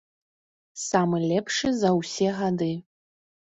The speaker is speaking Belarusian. Самы лепшы за ўсе гады.